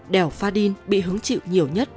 đèo pha đin bị hứng chịu nhiều nhất